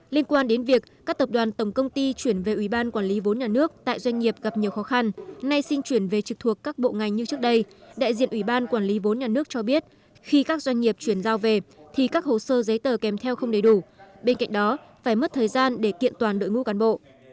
liên quan đến việc các tập đoàn tổng công ty chuyển về ủy ban quản lý vốn nhà nước tại doanh nghiệp gặp nhiều khó khăn nay xin chuyển về trực thuộc các bộ ngành như trước đây đại diện ủy ban quản lý vốn nhà nước cho biết khi các doanh nghiệp chuyển giao về thì các hồ sơ giấy tờ kèm theo không đầy đủ bên cạnh đó phải mất thời gian để kiện toàn đội ngũ cán bộ